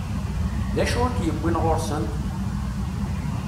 D acu i k-yewwin ɣur-sent?